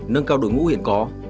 nâng cao đội ngũ hiện có